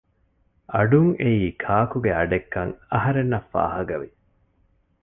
އަޑުން އެއީ ކާކުގެ އަޑެއްކަން އަހަރެންނަށް ފާހަގަވި